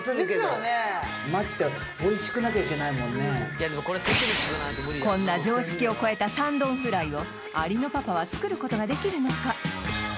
ましてやこんな常識を超えた三丼フライを有野パパは作ることができるのか？